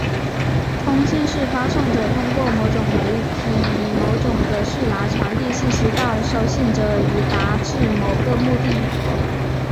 通信是发送者通过某种媒体以某种格式来传递信息到收信者以达致某个目的。